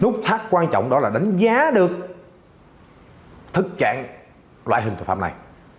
nút thác quan trọng đó là đánh giá được thực trạng loại hình tội phạm này